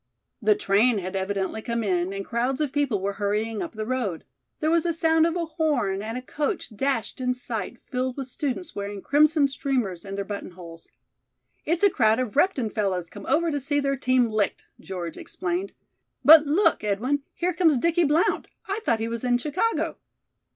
The train had evidently come in, and crowds of people were hurrying up the road. There was a sound of a horn and a coach dashed in sight filled with students wearing crimson streamers in their buttonholes. "It's a crowd of Repton fellows come over to see their team licked," George explained, "but look, Edwin, here comes Dickie Blount. I thought he was in Chicago."